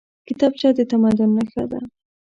کتابچه د تمدن نښه ده